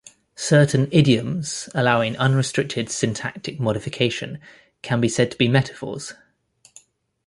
Certain idioms, allowing unrestricted syntactic modification, can be said to be metaphors.